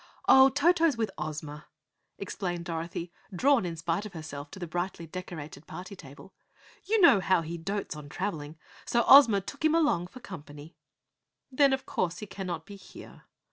"Oh, Toto's with Ozma," explained Dorothy, drawn in spite of herself to the brightly decorated party table. "You know how he dotes on travelling, so Ozma took him along for company." "Then of course he cannot be here?"